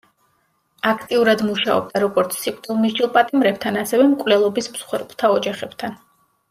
აქტიურად მუშაობდა როგორც სიკვდილმისჯილ პატიმრებთან, ასევე მკვლელობის მსხვერპლთა ოჯახებთან.